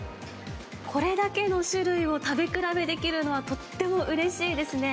これだけの種類を食べ比べできるのは、とってもうれしいですね。